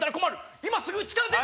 今すぐ家から出て。